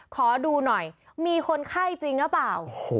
ขอดูหน่อยมีคนไข้จริงหรือเปล่า